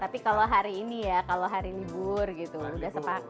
tapi kalau hari ini ya kalau hari libur gitu udah sepakat